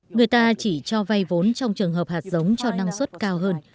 người ta chỉ cho vay vốn trong trường hợp hạt giống cho năng suất cao hơn